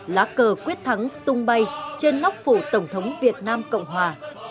lá cờ quyết thắng tung bay trên nóc phủ tổng thống việt nam cộng hòa